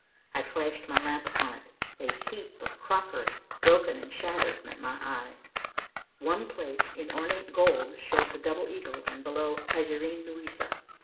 I flashed my lamp upon it. A heap of crockery, broken and shattered, met my eye. One plate in ornate gold showed the double eagle and below "Kaiserin Luisa."